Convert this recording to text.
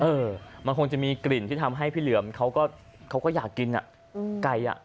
เออมันคงจะมีกลิ่นที่ทำให้พี่เหลือมเขาก็เขาก็อยากกินอ่ะไก่อ่ะ